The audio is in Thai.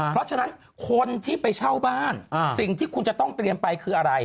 เพราะฉะนั้นคนที่ไปเช่าบ้านสิ่งที่คุณจะต้องเตรียมไปคืออะไร